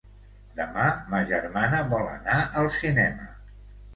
Demà ma germana vol anar al cinema.